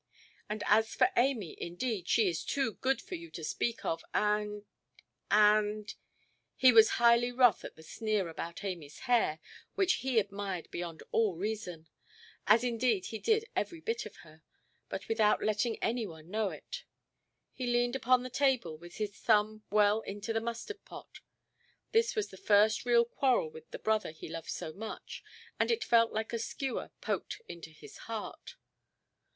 And as for Amy, indeed, she is too good for you to speak of—and—and——" He was highly wroth at the sneer about Amyʼs hair, which he admired beyond all reason, as indeed he did every bit of her, but without letting any one know it. He leaned upon the table, with his thumb well into the mustard–pot. This was the first real quarrel with the brother he loved so much; and it felt like a skewer poked into his heart.